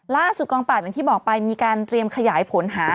กองปราบอย่างที่บอกไปมีการเตรียมขยายผลหา